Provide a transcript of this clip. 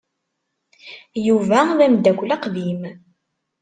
Yuba d ameddakel aqdim.